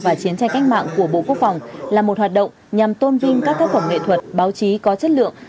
và chiến tranh cách mạng của bộ quốc phòng là một hoạt động nhằm tôn vinh các tác phẩm nghệ thuật báo chí có chất lượng